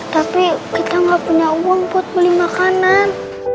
tapi kita nggak punya uang buat beli makanan